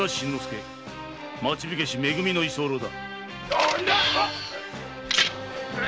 町火消し「め組」の居候だ。